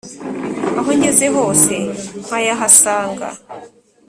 aho ngeze hose nkayahasanga